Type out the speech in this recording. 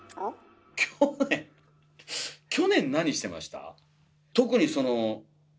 去年⁉去年何してました？